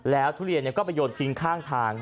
แล้วทุเรียนก็ไปโยนทิ้งข้างทาง